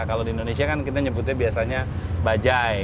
kalau di indonesia kan kita nyebutnya biasanya bajai